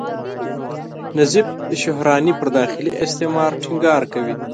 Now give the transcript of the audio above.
نظیف شهراني پر داخلي استعمار ټینګار کوي.